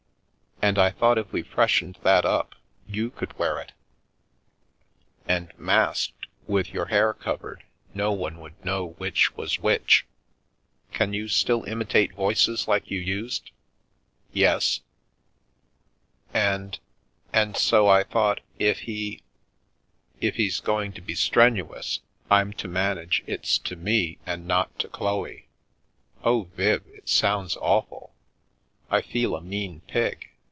And I thought if we freshened that up you could wear it; and masked, with your hair covered, no one would know which was which. Can you still imitate voices like you used ?"" Yes." rnn I The Milky Way u And — and so, I thought, if he "" If he's going to be strenuous, I'm to manage it's to me and not to Chloe? " *Oh, Viv, it sounds awful! I fed a mean pig.